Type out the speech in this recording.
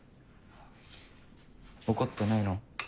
怒ってないの？